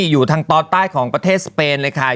อยู่ทางตอนใต้ของประเทศสเปนเลยค่ะ